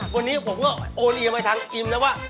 วันนี้ผมก็โอนเอียมให้ทั้งอิมแล้วว่า